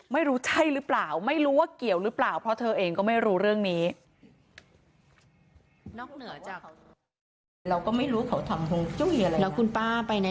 ไม่รู้ใช่หรือเปล่าไม่รู้ว่าเกี่ยวหรือเปล่าเพราะเธอเองก็ไม่รู้เรื่องนี้